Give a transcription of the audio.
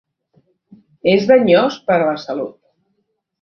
És danyós per a la salut.